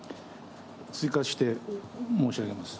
追加して申し上げます。